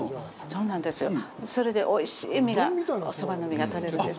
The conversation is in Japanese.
それで、おいしいそばの実が取れるんです。